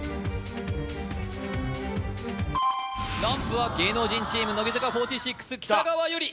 ランプは芸能人チーム乃木坂４６北川悠理